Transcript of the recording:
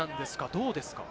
どうですか？